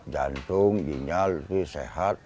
jantung ginjal itu sehat